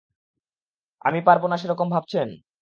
আমি পারবো না সেরকম ভাবছেন?